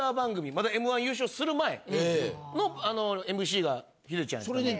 まだ『Ｍ−１』優勝する前のＭＣがヒデちゃんやったんで。